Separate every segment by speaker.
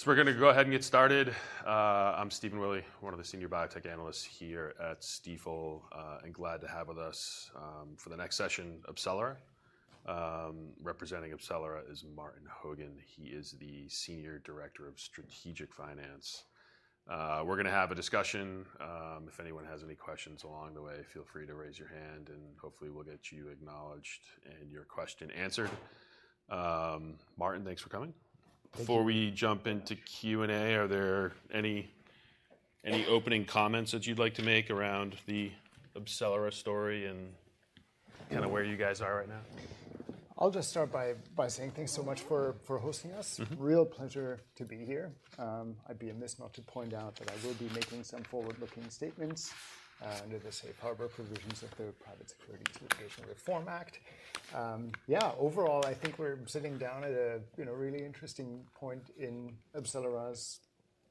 Speaker 1: So we're going to go ahead and get started. I'm Stephen Willey, one of the senior biotech analysts here at Stifel, and glad to have with us for the next session of AbCellera. Representing AbCellera is Martin Hogan. He is the senior director of strategic finance. We're going to have a discussion. If anyone has any questions along the way, feel free to raise your hand, and hopefully we'll get you acknowledged and your question answered. Martin, thanks for coming.
Speaker 2: Thank you.
Speaker 1: Before we jump into Q&A, are there any opening comments that you'd like to make around the AbCellera story and kind of where you guys are right now?
Speaker 2: I'll just start by saying thanks so much for hosting us. Real pleasure to be here. I'd be amiss not to point out that I will be making some forward-looking statements under the Safe Harbor Provisions of the Private Securities Litigation Reform Act. Yeah, overall, I think we're sitting down at a really interesting point in AbCellera's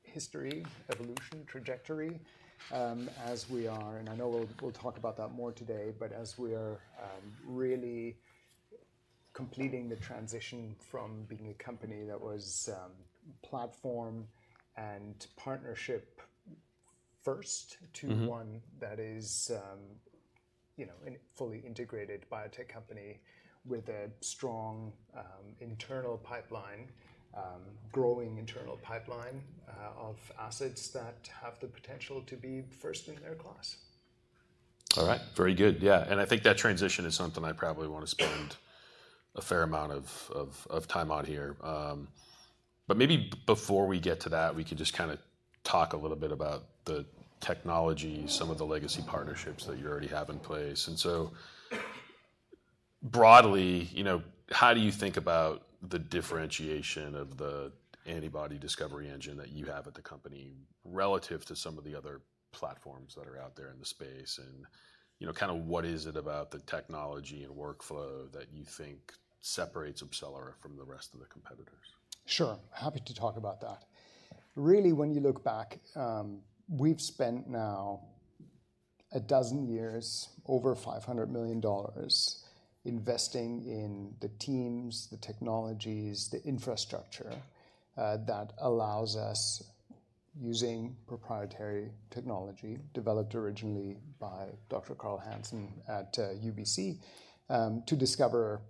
Speaker 2: history, evolution, trajectory, as we are, and I know we'll talk about that more today, but as we are really completing the transition from being a company that was platform and partnership-first to one that is a fully integrated biotech company with a strong internal pipeline, growing internal pipeline of assets that have the potential to be first in their class.
Speaker 1: All right, very good. Yeah, and I think that transition is something I probably want to spend a fair amount of time on here. But maybe before we get to that, we could just kind of talk a little bit about the technology, some of the legacy partnerships that you already have in place. And so broadly, how do you think about the differentiation of the antibody discovery engine that you have at the company relative to some of the other platforms that are out there in the space? And kind of what is it about the technology and workflow that you think separates AbCellera from the rest of the competitors?
Speaker 2: Sure, happy to talk about that. Really, when you look back, we've spent now a dozen years, over $500 million, investing in the teams, the technologies, the infrastructure that allows us, using proprietary technology developed originally by Dr. Carl Hansen at UBC, to discover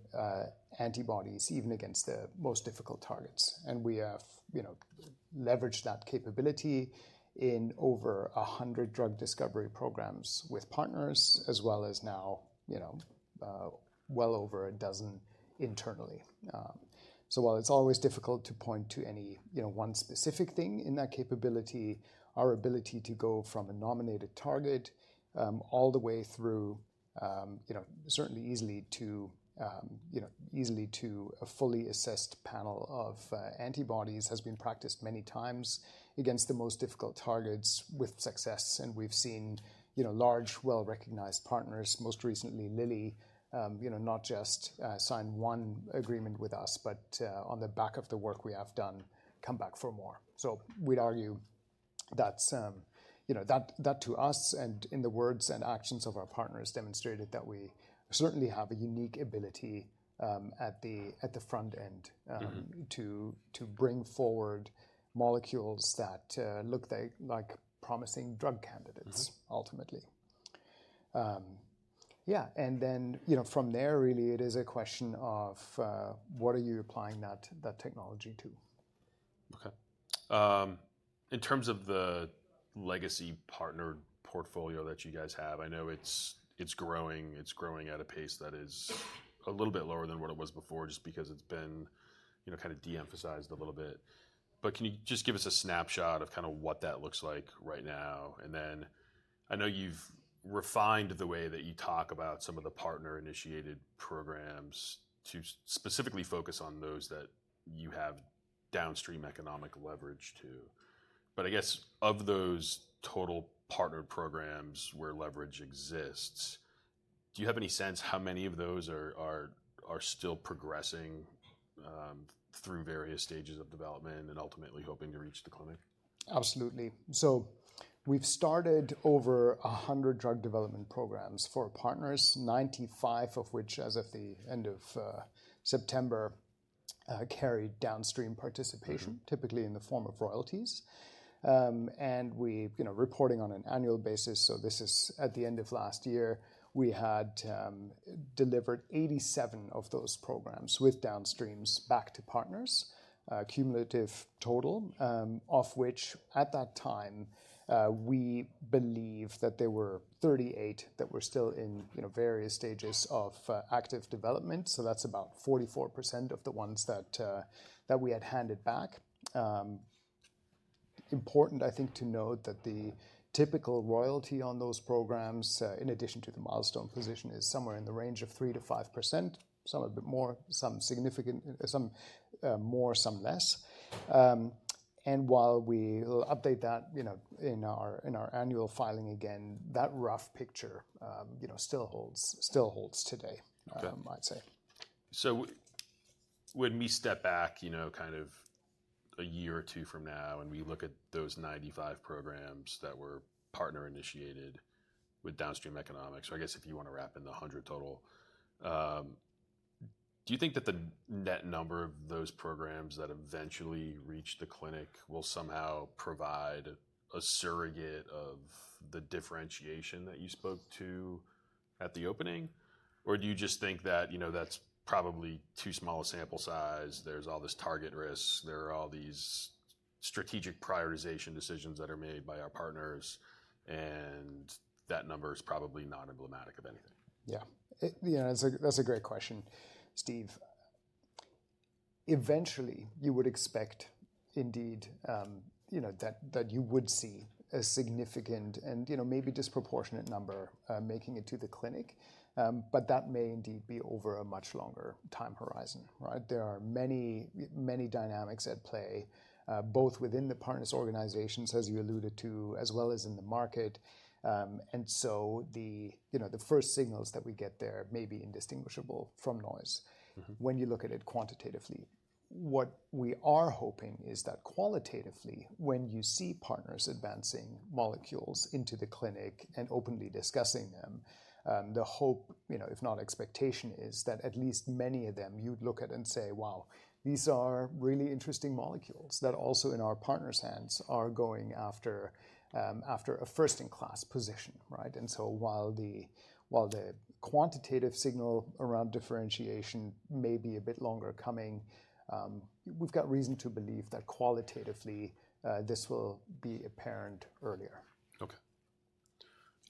Speaker 2: antibodies even against the most difficult targets, and we have leveraged that capability in over 100 drug discovery programs with partners, as well as now well over a dozen internally. So while it's always difficult to point to any one specific thing in that capability, our ability to go from a nominated target all the way through, certainly easily to a fully assessed panel of antibodies has been practiced many times against the most difficult targets with success. And we've seen large, well-recognized partners, most recently Lilly, not just sign one agreement with us, but on the back of the work we have done, come back for more. So we'd argue that to us, and in the words and actions of our partners, demonstrated that we certainly have a unique ability at the front end to bring forward molecules that look like promising drug candidates, ultimately. Yeah, and then from there, really, it is a question of what are you applying that technology to.
Speaker 1: Okay. In terms of the legacy partner portfolio that you guys have, I know it's growing. It's growing at a pace that is a little bit lower than what it was before, just because it's been kind of de-emphasized a little bit. But can you just give us a snapshot of kind of what that looks like right now? And then I know you've refined the way that you talk about some of the partner-initiated programs to specifically focus on those that you have downstream economic leverage to. But I guess of those total partner programs where leverage exists, do you have any sense how many of those are still progressing through various stages of development and ultimately hoping to reach the clinic?
Speaker 2: Absolutely. So we've started over 100 drug development programs for partners, 95 of which, as of the end of September, carried downstream participation, typically in the form of royalties. And we're reporting on an annual basis. So this is at the end of last year; we had delivered 87 of those programs with downstreams back to partners, cumulative total, of which at that time, we believe that there were 38 that were still in various stages of active development. So that's about 44% of the ones that we had handed back. Important, I think, to note that the typical royalty on those programs, in addition to the milestone position, is somewhere in the range of 3%-5%, some a bit more, some significantly more, some less. And while we update that in our annual filing again, that rough picture still holds today, I'd say.
Speaker 1: So when we step back kind of a year or two from now and we look at those 95 programs that were partner-initiated with downstream economics, or I guess if you want to wrap in the 100 total, do you think that the net number of those programs that eventually reach the clinic will somehow provide a surrogate of the differentiation that you spoke to at the opening? Or do you just think that that's probably too small a sample size, there's all this target risk, there are all these strategic prioritization decisions that are made by our partners, and that number is probably not emblematic of anything?
Speaker 2: Yeah, that's a great question, Steve. Eventually, you would expect, indeed, that you would see a significant and maybe disproportionate number making it to the clinic. But that may indeed be over a much longer time horizon. There are many dynamics at play, both within the partners' organizations, as you alluded to, as well as in the market. And so the first signals that we get there may be indistinguishable from noise when you look at it quantitatively. What we are hoping is that qualitatively, when you see partners advancing molecules into the clinic and openly discussing them, the hope, if not expectation, is that at least many of them you'd look at and say, wow, these are really interesting molecules that also in our partners' hands are going after a first-in-class position. While the quantitative signal around differentiation may be a bit longer coming, we've got reason to believe that qualitatively this will be apparent earlier.
Speaker 1: Okay.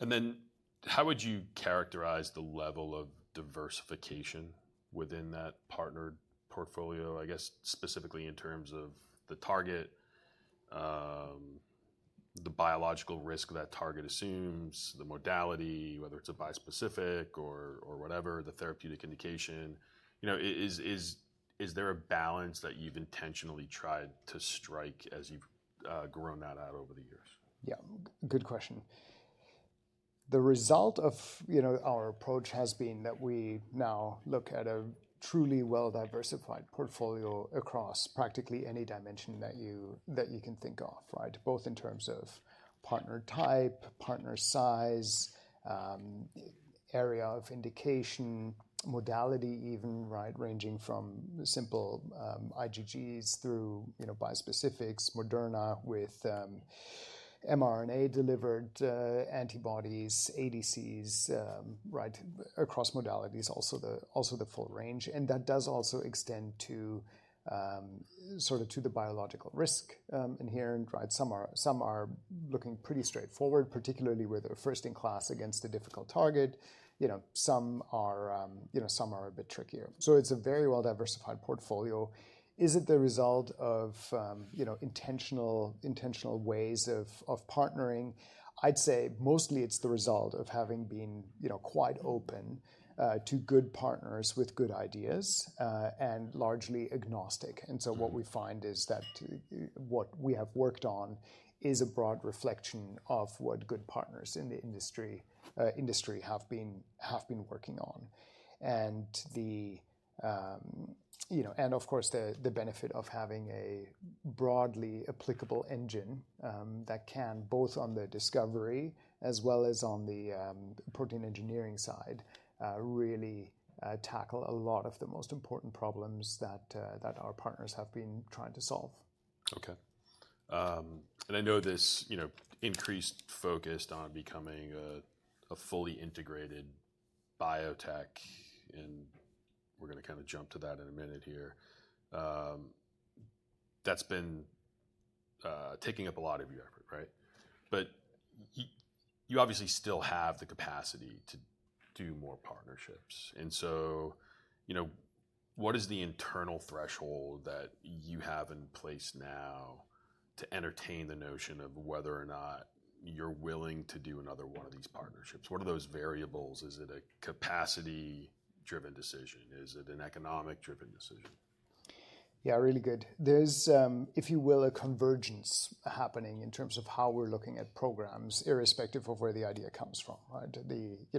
Speaker 1: And then how would you characterize the level of diversification within that partner portfolio, I guess specifically in terms of the target, the biological risk that target assumes, the modality, whether it's a bispecific or whatever, the therapeutic indication? Is there a balance that you've intentionally tried to strike as you've grown that out over the years?
Speaker 2: Yeah, good question. The result of our approach has been that we now look at a truly well-diversified portfolio across practically any dimension that you can think of, both in terms of partner type, partner size, area of indication, modality even, ranging from simple IgGs through bispecifics, Moderna with mRNA-delivered antibodies, ADCs, across modalities, also the full range. And that does also extend sort of to the biological risk inherent. Some are looking pretty straightforward, particularly where they're first-in-class against a difficult target. Some are a bit trickier. So it's a very well-diversified portfolio. Is it the result of intentional ways of partnering? I'd say mostly it's the result of having been quite open to good partners with good ideas and largely agnostic. And so what we find is that what we have worked on is a broad reflection of what good partners in the industry have been working on. Of course, the benefit of having a broadly applicable engine that can, both on the discovery as well as on the protein engineering side, really tackle a lot of the most important problems that our partners have been trying to solve.
Speaker 1: Okay. And I know this increased focus on becoming a fully integrated biotech, and we're going to kind of jump to that in a minute here. That's been taking up a lot of your effort, right? But you obviously still have the capacity to do more partnerships. And so what is the internal threshold that you have in place now to entertain the notion of whether or not you're willing to do another one of these partnerships? What are those variables? Is it a capacity-driven decision? Is it an economic-driven decision?
Speaker 2: Yeah, really good. There's, if you will, a convergence happening in terms of how we're looking at programs, irrespective of where the idea comes from.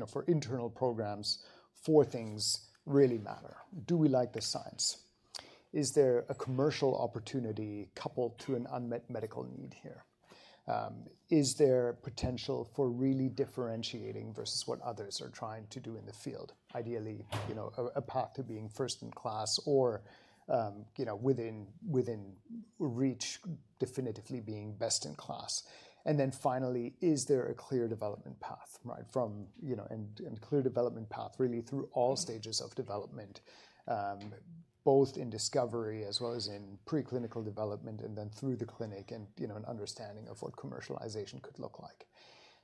Speaker 2: For internal programs, four things really matter. Do we like the science? Is there a commercial opportunity coupled to an unmet medical need here? Is there potential for really differentiating versus what others are trying to do in the field? Ideally, a path to being first-in-class or within reach, definitively being best-in-class. And then finally, is there a clear development path? And clear development path really through all stages of development, both in discovery as well as in preclinical development, and then through the clinic and an understanding of what commercialization could look like.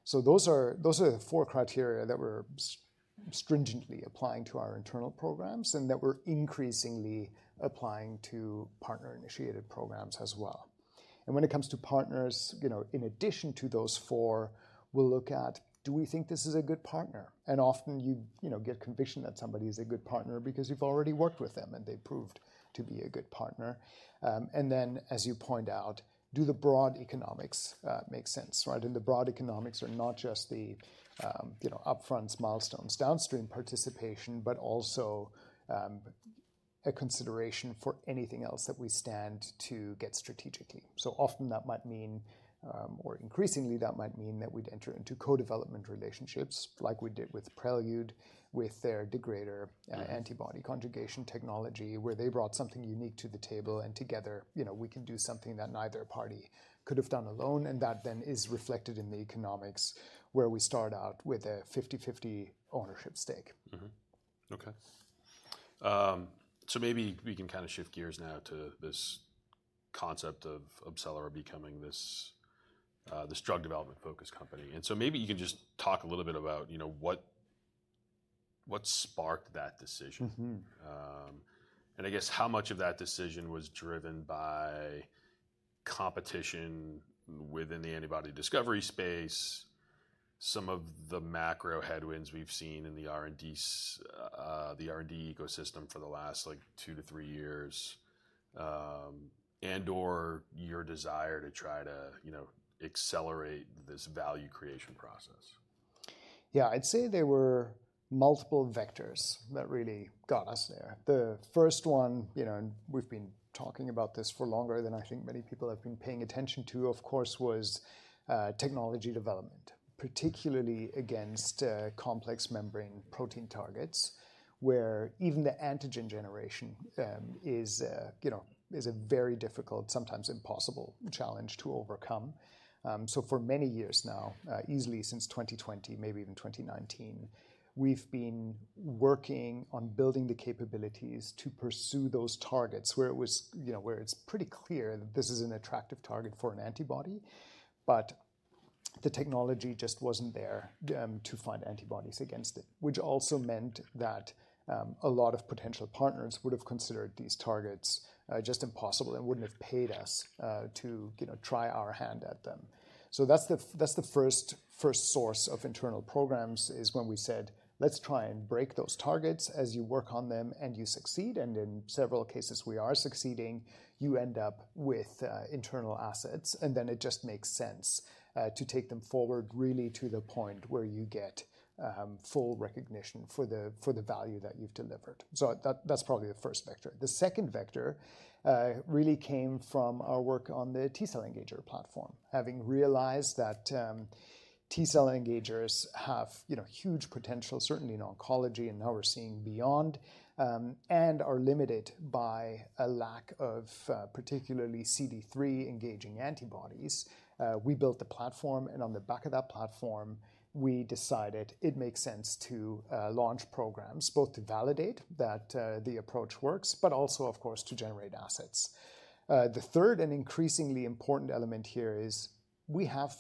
Speaker 2: So those are the four criteria that we're stringently applying to our internal programs and that we're increasingly applying to partner-initiated programs as well. And when it comes to partners, in addition to those four, we'll look at, do we think this is a good partner? And often you get conviction that somebody is a good partner because you've already worked with them and they proved to be a good partner. And then, as you point out, do the broad economics make sense? And the broad economics are not just the upfront milestones, downstream participation, but also a consideration for anything else that we stand to get strategically. So often that might mean, or increasingly that might mean that we'd enter into co-development relationships like we did with Prelude, with their degrader antibody conjugation technology, where they brought something unique to the table and together we can do something that neither party could have done alone. And that then is reflected in the economics where we start out with a 50/50 ownership stake.
Speaker 1: Okay. So maybe we can kind of shift gears now to this concept of AbCellera becoming this drug development-focused company. And so maybe you can just talk a little bit about what sparked that decision. And I guess how much of that decision was driven by competition within the antibody discovery space, some of the macro headwinds we've seen in the R&D ecosystem for the last two to three years, and/or your desire to try to accelerate this value creation process?
Speaker 2: Yeah, I'd say there were multiple vectors that really got us there. The first one, and we've been talking about this for longer than I think many people have been paying attention to, of course, was technology development, particularly against complex membrane protein targets, where even the antigen generation is a very difficult, sometimes impossible challenge to overcome. So for many years now, easily since 2020, maybe even 2019, we've been working on building the capabilities to pursue those targets where it's pretty clear that this is an attractive target for an antibody, but the technology just wasn't there to find antibodies against it, which also meant that a lot of potential partners would have considered these targets just impossible and wouldn't have paid us to try our hand at them. So that's the first source of internal programs is when we said, let's try and break those targets as you work on them and you succeed. And in several cases, we are succeeding. You end up with internal assets, and then it just makes sense to take them forward really to the point where you get full recognition for the value that you've delivered. So that's probably the first vector. The second vector really came from our work on the T-cell engager platform, having realized that T-cell engagers have huge potential, certainly in oncology, and now we're seeing beyond, and are limited by a lack of particularly CD3 engaging antibodies. We built the platform, and on the back of that platform, we decided it makes sense to launch programs both to validate that the approach works, but also, of course, to generate assets. The third and increasingly important element here is we have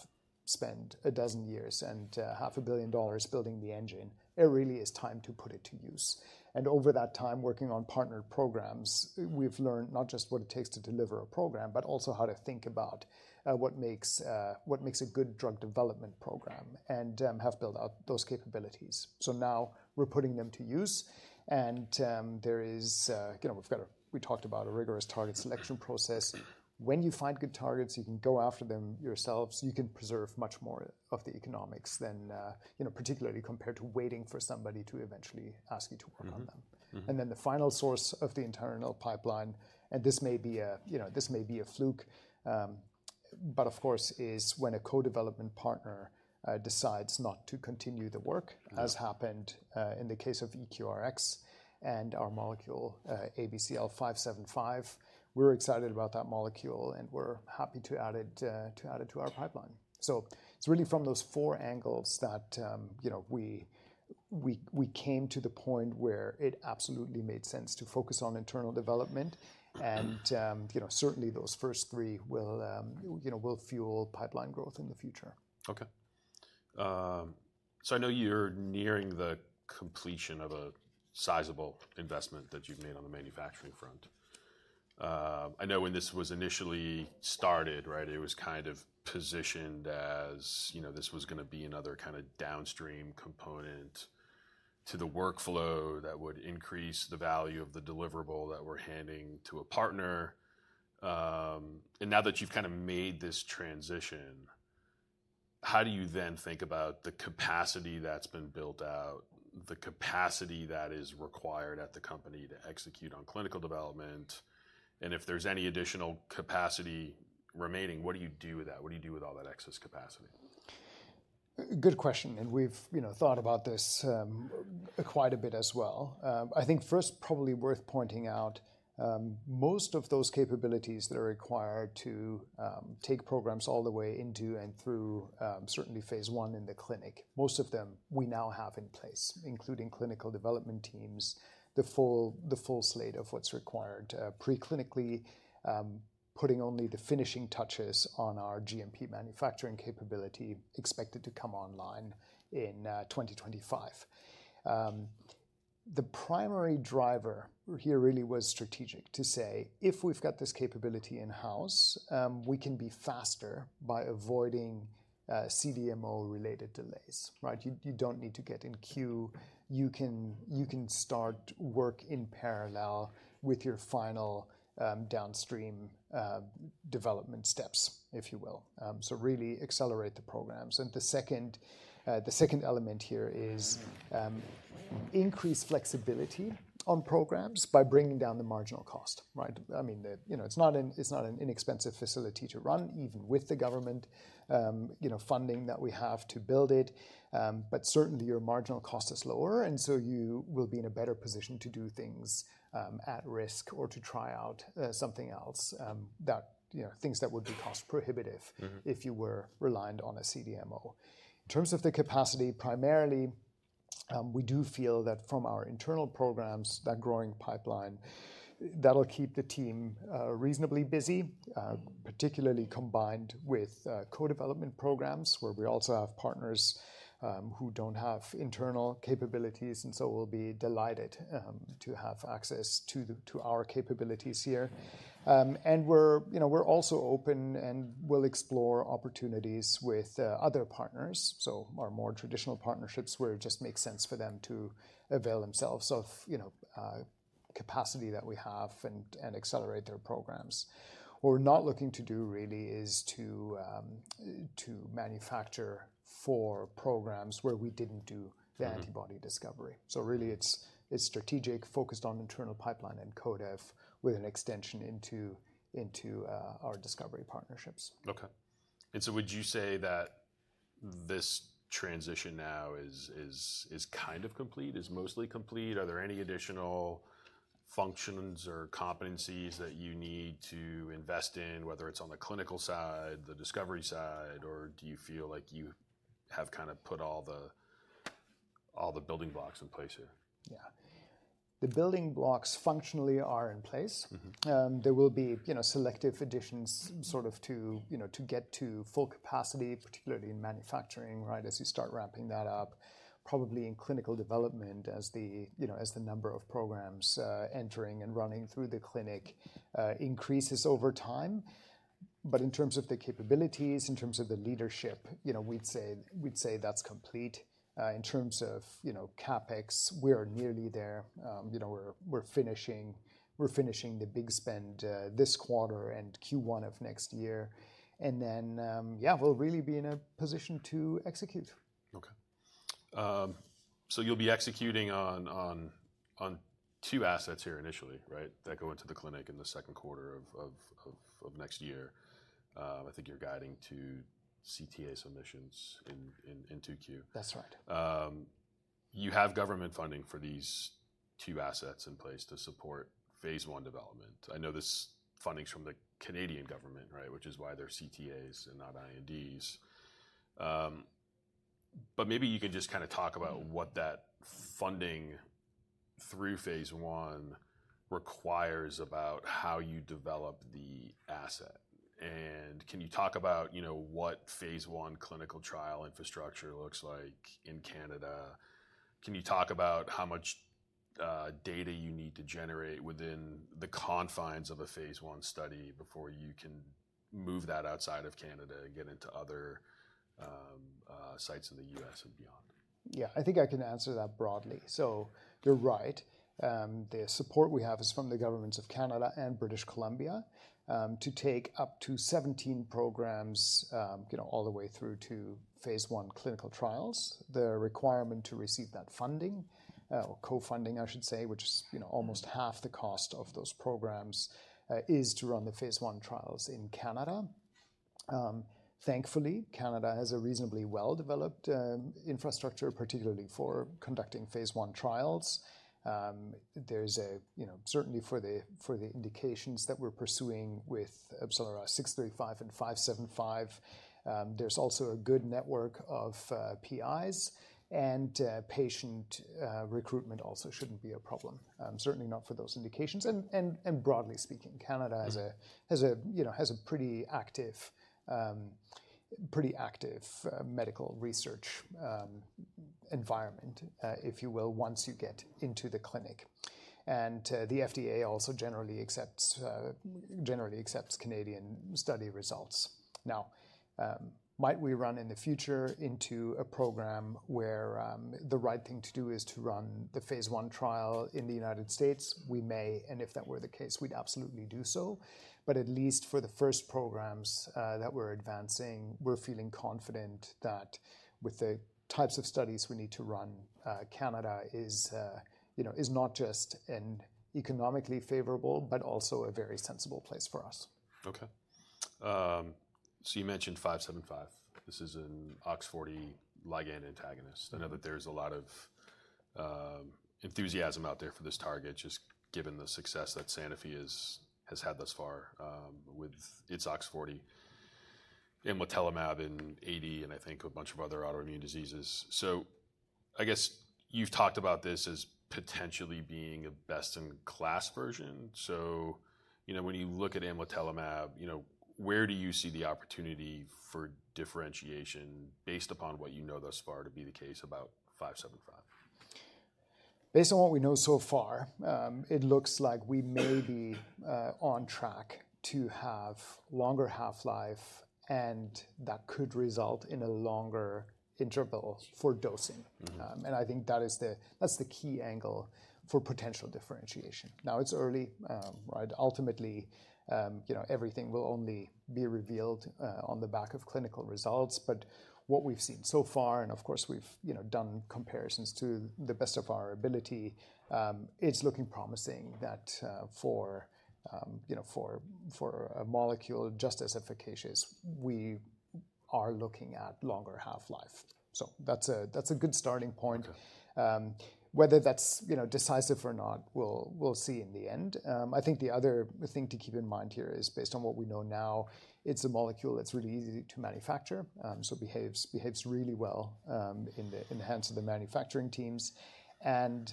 Speaker 2: spent a dozen years and $500 million building the engine. It really is time to put it to use, and over that time working on partner programs, we've learned not just what it takes to deliver a program, but also how to think about what makes a good drug development program and have built out those capabilities, so now we're putting them to use, and we've talked about a rigorous target selection process. When you find good targets, you can go after them yourselves. You can preserve much more of the economics, particularly compared to waiting for somebody to eventually ask you to work on them. And then the final source of the internal pipeline, and this may be a fluke, but of course, is when a co-development partner decides not to continue the work, as happened in the case of EQRx and our molecule ABCL575. We're excited about that molecule, and we're happy to add it to our pipeline. So it's really from those four angles that we came to the point where it absolutely made sense to focus on internal development. And certainly those first three will fuel pipeline growth in the future.
Speaker 1: Okay. So I know you're nearing the completion of a sizable investment that you've made on the manufacturing front. I know when this was initially started, it was kind of positioned as this was going to be another kind of downstream component to the workflow that would increase the value of the deliverable that we're handing to a partner. And now that you've kind of made this transition, how do you then think about the capacity that's been built out, the capacity that is required at the company to execute on clinical development? And if there's any additional capacity remaining, what do you do with that? What do you do with all that excess capacity?
Speaker 2: Good question, and we've thought about this quite a bit as well. I think first, probably worth pointing out, most of those capabilities that are required to take programs all the way into and through certainly Phase 1 in the clinic, most of them we now have in place, including clinical development teams, the full slate of what's required preclinically, putting only the finishing touches on our GMP manufacturing capability expected to come online in 2025. The primary driver here really was strategic to say, if we've got this capability in-house, we can be faster by avoiding CDMO-related delays. You don't need to get in queue. You can start work in parallel with your final downstream development steps, if you will, so really accelerate the programs, and the second element here is increase flexibility on programs by bringing down the marginal cost. I mean, it's not an inexpensive facility to run, even with the government funding that we have to build it, but certainly your marginal cost is lower, and so you will be in a better position to do things at risk or to try out something else, things that would be cost prohibitive if you were reliant on a CDMO. In terms of the capacity, primarily, we do feel that from our internal programs, that growing pipeline, that'll keep the team reasonably busy, particularly combined with co-development programs where we also have partners who don't have internal capabilities, and so we'll be delighted to have access to our capabilities here, and we're also open and will explore opportunities with other partners, so our more traditional partnerships where it just makes sense for them to avail themselves of capacity that we have and accelerate their programs. What we're not looking to do really is to manufacture for programs where we didn't do the antibody discovery. So really it's strategic, focused on internal pipeline and co-dev with an extension into our discovery partnerships.
Speaker 1: Okay. And so would you say that this transition now is kind of complete, is mostly complete? Are there any additional functions or competencies that you need to invest in, whether it's on the clinical side, the discovery side, or do you feel like you have kind of put all the building blocks in place here?
Speaker 2: Yeah. The building blocks functionally are in place. There will be selective additions sort of to get to full capacity, particularly in manufacturing as you start ramping that up. Probably in clinical development as the number of programs entering and running through the clinic increases over time, but in terms of the capabilities, in terms of the leadership, we'd say that's complete. In terms of CapEx, we're nearly there. We're finishing the big spend this quarter and Q1 of next year, and then, yeah, we'll really be in a position to execute.
Speaker 1: Okay. So you'll be executing on two assets here initially, right, that go into the clinic in the second quarter of next year. I think you're guiding to CTA submissions into Q2.
Speaker 2: That's right.
Speaker 1: You have government funding for these two assets in place to support Phase 1 development. I know this funding's from the Canadian government, which is why they're CTAs and not INDs. But maybe you can just kind of talk about what that funding through Phase 1 requires about how you develop the asset, and can you talk about what Phase 1 clinical trial infrastructure looks like in Canada? Can you talk about how much data you need to generate within the confines of a Phase 1 study before you can move that outside of Canada and get into other sites in the U.S. and beyond?
Speaker 2: Yeah, I think I can answer that broadly. So you're right. The support we have is from the governments of Canada and British Columbia to take up to 17 programs all the way through to Phase 1 clinical trials. The requirement to receive that funding, or co-funding, I should say, which is almost half the cost of those programs, is to run the Phase 1 trials in Canada. Thankfully, Canada has a reasonably well-developed infrastructure, particularly for conducting Phase 1 trials. There's certainly for the indications that we're pursuing with ABCL635 and 575, there's also a good network of PIs, and patient recruitment also shouldn't be a problem, certainly not for those indications, and broadly speaking, Canada has a pretty active medical research environment, if you will, once you get into the clinic, and the FDA also generally accepts Canadian study results. Now, might we run in the future into a program where the right thing to do is to run the Phase 1 trial in the United States? We may, and if that were the case, we'd absolutely do so. But at least for the first programs that we're advancing, we're feeling confident that with the types of studies we need to run, Canada is not just economically favorable, but also a very sensible place for us.
Speaker 1: Okay. So you mentioned 575. This is an OX40 ligand antagonist. I know that there's a lot of enthusiasm out there for this target, just given the success that Sanofi has had thus far with its OX40, Amlitelimab in AD, and I think a bunch of other autoimmune diseases. So I guess you've talked about this as potentially being a best-in-class version. So when you look at Amlitelimab, where do you see the opportunity for differentiation based upon what you know thus far to be the case about 575?
Speaker 2: Based on what we know so far, it looks like we may be on track to have longer half-life, and that could result in a longer interval for dosing, and I think that is the key angle for potential differentiation. Now, it's early. Ultimately, everything will only be revealed on the back of clinical results, but what we've seen so far, and of course, we've done comparisons to the best of our ability, it's looking promising that for a molecule just as efficacious, we are looking at longer half-life, so that's a good starting point. Whether that's decisive or not, we'll see in the end. I think the other thing to keep in mind here is based on what we know now, it's a molecule that's really easy to manufacture, so behaves really well in the hands of the manufacturing teams, and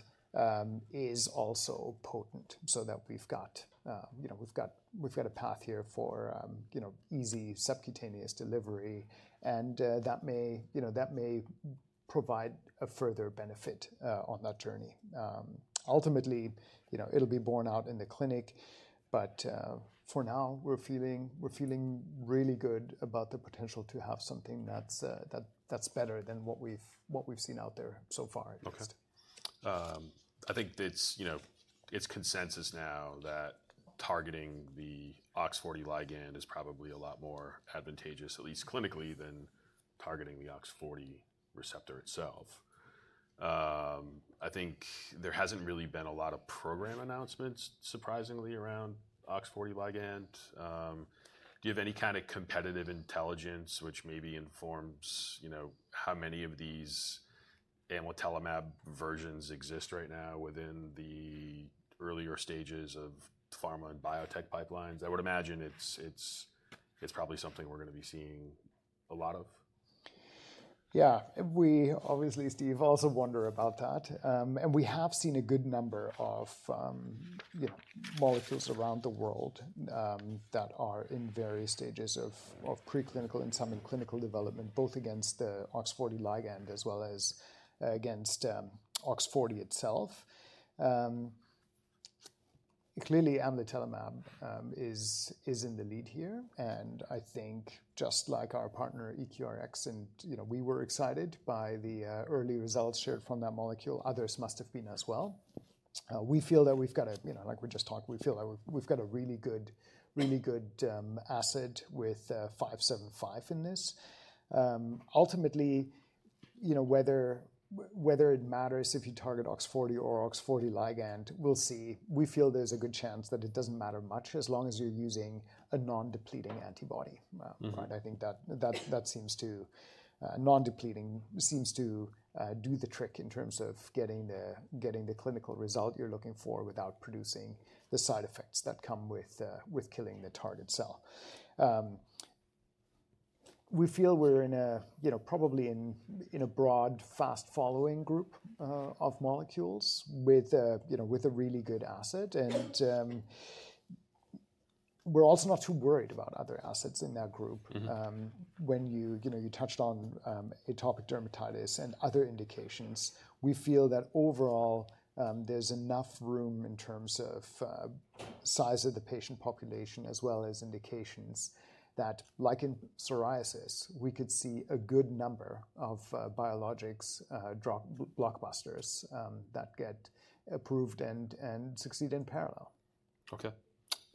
Speaker 2: is also potent. So that we've got a path here for easy subcutaneous delivery, and that may provide a further benefit on that journey. Ultimately, it'll be borne out in the clinic, but for now, we're feeling really good about the potential to have something that's better than what we've seen out there so far, at least.
Speaker 1: Okay. I think it's consensus now that targeting the OX40 ligand is probably a lot more advantageous, at least clinically, than targeting the OX40 receptor itself. I think there hasn't really been a lot of program announcements, surprisingly, around OX40 ligand. Do you have any kind of competitive intelligence which maybe informs how many of these Amlitelimab versions exist right now within the earlier stages of pharma and biotech pipelines? I would imagine it's probably something we're going to be seeing a lot of.
Speaker 2: Yeah. We obviously, Steve, also wonder about that. We have seen a good number of molecules around the world that are in various stages of preclinical and some in clinical development, both against the OX40 ligand as well as against OX40 itself. Clearly, Amlitelimab is in the lead here. I think just like our partner EQRx, we were excited by the early results shared from that molecule. Others must have been as well. We feel that we've got a, like we just talked, we feel that we've got a really good shot with 575 in this. Ultimately, whether it matters if you target OX40 or OX40 ligand, we'll see. We feel there's a good chance that it doesn't matter much as long as you're using a non-depleting antibody. I think that non-depleting seems to do the trick in terms of getting the clinical result you're looking for without producing the side effects that come with killing the target cell. We feel we're probably in a broad, fast-following group of molecules with a really good asset, and we're also not too worried about other assets in that group. When you touched on atopic dermatitis and other indications, we feel that overall, there's enough room in terms of size of the patient population as well as indications that, like in psoriasis, we could see a good number of biologics blockbusters that get approved and succeed in parallel.
Speaker 1: Okay.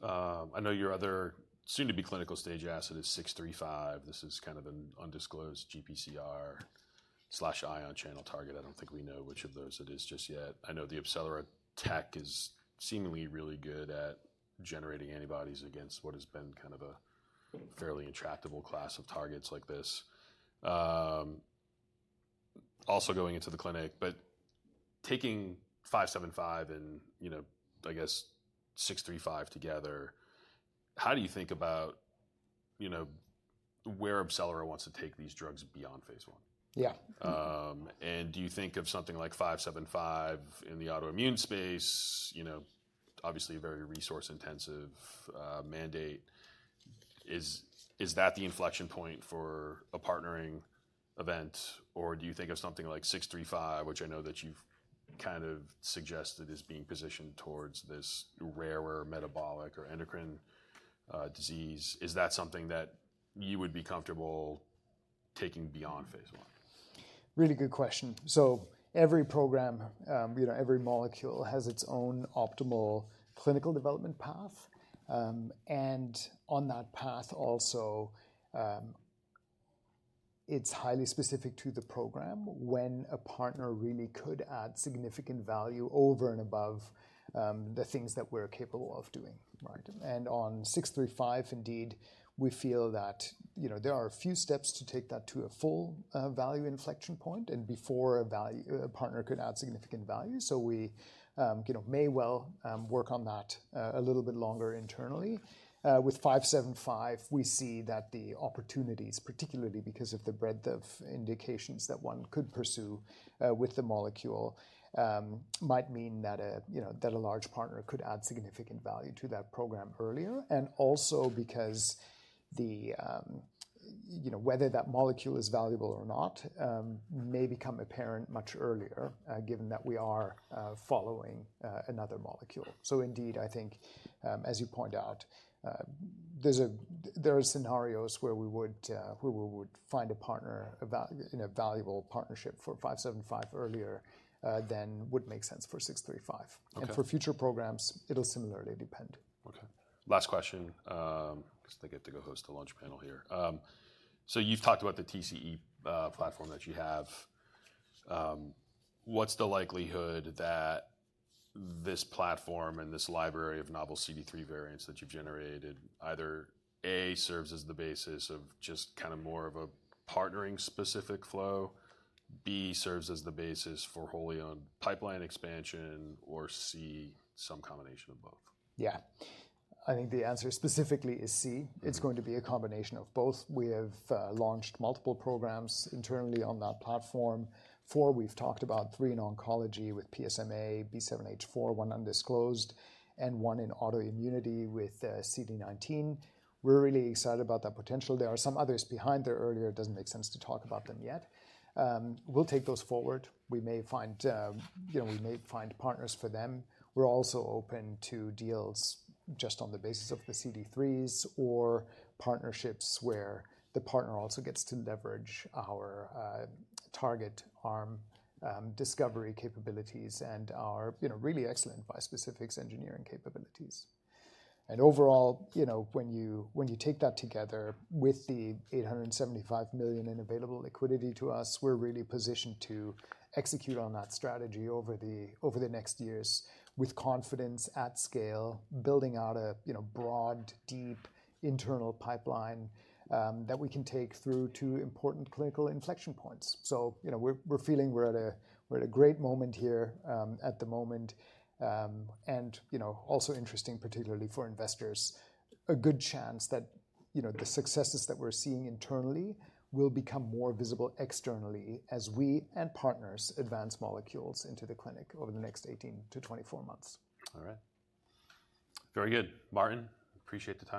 Speaker 1: I know your other soon-to-be clinical stage asset is 635. This is kind of an undisclosed GPCR/ion channel target. I don't think we know which of those it is just yet. I know the AbCellera tech is seemingly really good at generating antibodies against what has been kind of a fairly intractable class of targets like this. Also going into the clinic, but taking 575 and, I guess, 635 together, how do you think about where AbCellera wants to take these drugs beyond Phase 1?
Speaker 2: Yeah.
Speaker 1: Do you think of something like 575 in the autoimmune space, obviously a very resource-intensive mandate, is that the inflection point for a partnering event, or do you think of something like 635, which I know that you've kind of suggested is being positioned towards this rarer metabolic or endocrine disease? Is that something that you would be comfortable taking beyond Phase 1?
Speaker 2: Really good question, so every program, every molecule has its own optimal clinical development path, and on that path, also, it's highly specific to the program when a partner really could add significant value over and above the things that we're capable of doing, and on 635, indeed, we feel that there are a few steps to take that to a full value inflection point, and before a partner could add significant value, so we may well work on that a little bit longer internally. With 575, we see that the opportunities, particularly because of the breadth of indications that one could pursue with the molecule, might mean that a large partner could add significant value to that program earlier, and also because whether that molecule is valuable or not may become apparent much earlier, given that we are following another molecule. So indeed, I think, as you point out, there are scenarios where we would find a partner in a valuable partnership for 575 earlier than would make sense for 635. And for future programs, it'll similarly depend.
Speaker 1: Okay. Last question. I guess I get to go host the lunch panel here. So you've talked about the TCE platform that you have. What's the likelihood that this platform and this library of novel CD3 variants that you've generated, either A, serves as the basis of just kind of more of a partnering-specific flow, B, serves as the basis for wholly owned pipeline expansion, or C, some combination of both?
Speaker 2: Yeah. I think the answer specifically is C. It's going to be a combination of both. We have launched multiple programs internally on that platform. Four, we've talked about three in oncology with PSMA, B7-H4, one undisclosed, and one in autoimmunity with CD19. We're really excited about that potential. There are some others behind there earlier. It doesn't make sense to talk about them yet. We'll take those forward. We may find partners for them. We're also open to deals just on the basis of the CD3s or partnerships where the partner also gets to leverage our target arm discovery capabilities and our really excellent bispecifics engineering capabilities. Overall, when you take that together with the $875 million in available liquidity to us, we're really positioned to execute on that strategy over the next years with confidence at scale, building out a broad, deep internal pipeline that we can take through to important clinical inflection points. We're feeling we're at a great moment here at the moment and also interesting, particularly for investors, a good chance that the successes that we're seeing internally will become more visible externally as we and partners advance molecules into the clinic over the next 18-24 months.
Speaker 1: All right. Very good. Martin, appreciate the time.